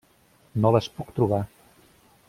No les puc trobar.